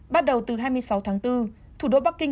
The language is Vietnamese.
bắt đầu từ hai mươi sáu tháng bốn thủ đô bắc kinh